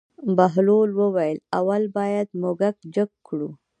بهلول وویل: اول باید موږک جګ کړو.